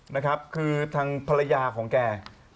นะครับคือทางภรรยาของแก